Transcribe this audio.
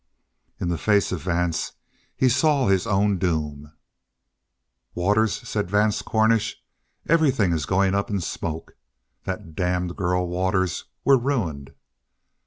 In the face of Vance he saw his own doom. "Waters," said Vance Cornish, "everything is going up in smoke. That damned girl Waters, we're ruined."